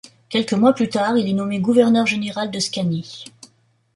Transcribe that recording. Quelques mois plus tard, il est nommé gouverneur général de Scanie.